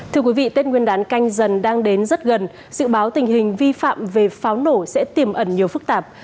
tết nguyên đán canh dần đang đến rất gần dự báo tình hình vi phạm về pháo nổ sẽ tiềm ẩn nhiều phức tạp